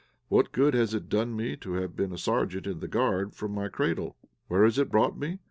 "What good has it done me to have been a sergeant in the Guard from my cradle? Where has it brought me?